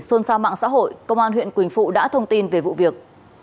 xôn xa mạng xã hội công an huyện quỳnh phụ đã thông tin về vụ việc